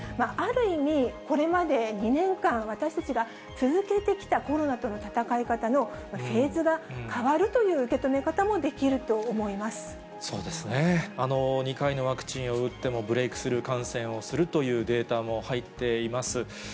ある意味、これまで２年間、私たちが続けてきたコロナとの闘い方のフェーズが変わるという受そうですね、２回のワクチンを打っても、ブレイクスルー感染をするというデータも入っています。